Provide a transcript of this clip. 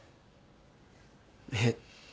えっ？